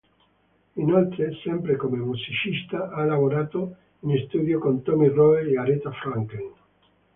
Inoltre, sempre come musicista, ha lavorato in studio con Tommy Roe, Aretha Franklin.